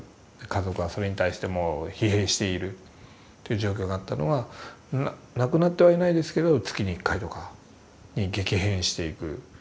家族がそれに対してもう疲弊しているという状況があったのがなくなってはいないですけど月に１回とかに激変していく。